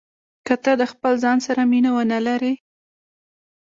که ته د خپل ځان سره مینه ونه لرې.